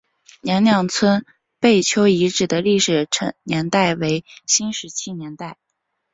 娘娘村贝丘遗址的历史年代为新石器时代。